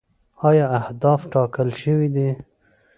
آیا اهداف ټاکل شوي دي؟